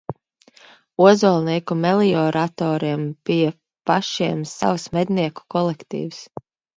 Ozolnieku melioratoriem bija pašiem savs mednieku kolektīvs.